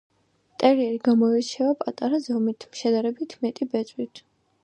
ტერიერი გამოირჩევა პატარა ზომით, შედარებით მეტი ბეწვით.